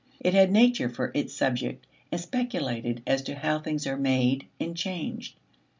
It had nature for its subject, and speculated as to how things are made and changed.